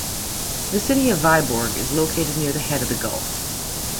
The city of Vyborg is located near the head of the gulf.